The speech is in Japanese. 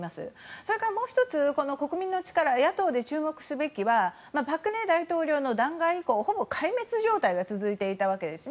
それからもう１つ、国民の力野党で注目すべきは朴槿惠前大統領の弾劾以降ほぼ壊滅状態が続いていたわけです。